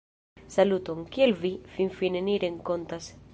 - Saluton! Kiel vi? Finfine ni renkontas-